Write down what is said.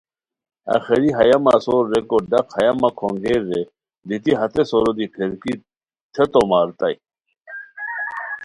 آخری ہیہ مہ سور ریکو ڈاق ہیہ مہ کھونگیر رے دیتی ہتے سورو دی پھیرکی تھے تو ماریتائے